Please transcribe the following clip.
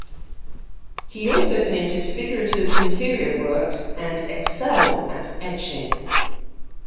He also painted figurative interior works and excelled at etching.